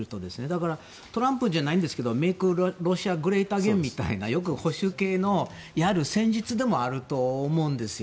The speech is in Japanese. だからトランプじゃないんですけどメーク・ロシア・グレート・アゲインみたいなよく保守系のやる戦術でもあると思うんですよ。